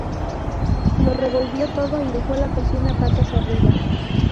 Lo revolvió todo y dejó la cocina patas arriba